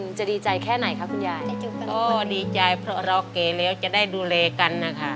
กันอีกครั้งหนึ่งจะดีใจแค่ไหนคะคุณยายโอ้ดีใจเพราะเราเก๋แล้วจะได้ดูเลกันนะคะ